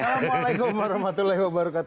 assalamualaikum warahmatullahi wabarakatuh